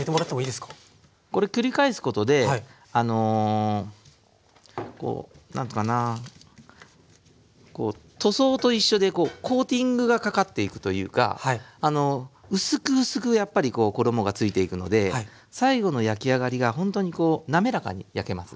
これ繰り返すことであのこう何ていうかなこう塗装と一緒でコーティングがかかっていくというか薄く薄くやっぱりこう衣がついていくので最後の焼き上がりがほんとにこう滑らかに焼けます。